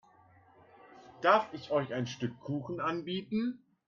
Darf ich euch ein Stück Kuchen anbieten?